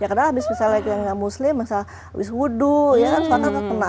ya karena misalnya yang muslim misalnya habis wudhu ya